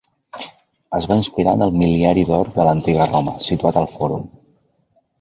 Es va inspirar en el Mil·liari d'or de l'antiga Roma, situat al fòrum.